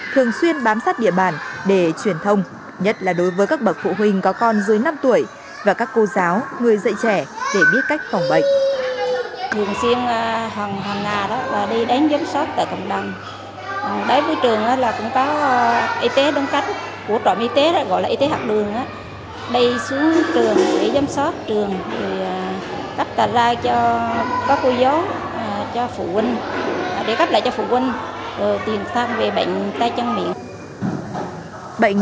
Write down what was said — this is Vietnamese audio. thường xuyên bám sát địa bàn để truyền thông nhất là đối với các bậc phụ huynh có con dưới năm tuổi và các cô giáo người dạy trẻ để biết cách phòng bệnh